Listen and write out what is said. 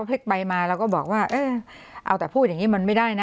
พลิกไปมาเราก็บอกว่าเออเอาแต่พูดอย่างนี้มันไม่ได้นะ